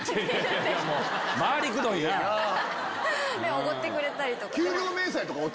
おごってくれたりとか。